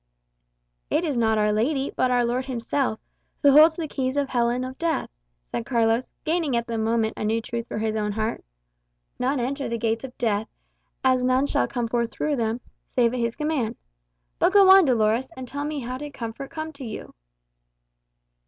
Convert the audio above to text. "It is not Our Lady, but our Lord himself, who holds the keys of hell and of death," said Carlos, gaining at the moment a new truth for his own heart. "None enter the gates of death, as none shall come forth through them, save at his command. But go on, Dolores, and tell me how did comfort come to you?"